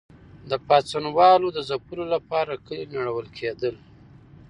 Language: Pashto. د پاڅونوالو د ځپلو لپاره کلي نړول کېدل.